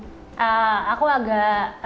sebenarnya aku awalnya gambling sih